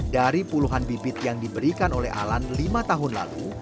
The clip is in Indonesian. dari puluhan bibit yang diberikan oleh alan lima tahun lalu